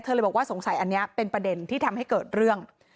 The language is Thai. เลยบอกว่าสงสัยอันนี้เป็นประเด็นที่ทำให้เกิดเรื่อง